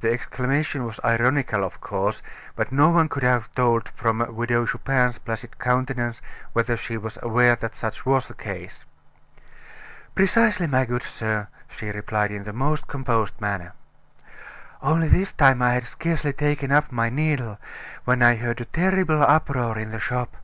The exclamation was ironical, of course, but no one could have told from the Widow Chupin's placid countenance whether she was aware that such was the case. "Precisely, my good sir," she replied in the most composed manner. "Only this time I had scarcely taken up my needle when I heard a terrible uproar in the shop.